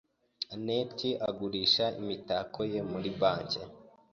anet agumisha imitako ye muri banki.